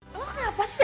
kok kenapa sih